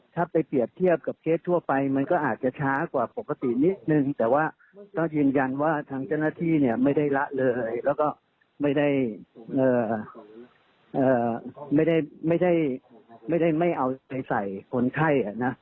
ถ้าไปเปรียบเทียบกับเคสทั่วไปมันก็อาจจะช้ากว่าปกตินิดนึงแต่ว่าก็ยืนยันว่าทางเจ้าหน้าที่เนี่ยไม่ได้ละเลยแล้วก็ไม่ได้ไม่เอาไปใส่คนไข้นะ